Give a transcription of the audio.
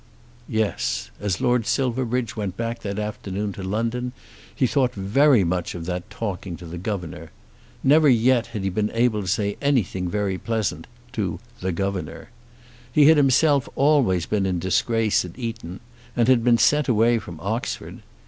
Yes! As Lord Silverbridge went back that afternoon to London he thought very much of that talking to the governor! Never yet had he been able to say anything very pleasant to "the governor." He had himself been always in disgrace at Eton, and had been sent away from Oxford.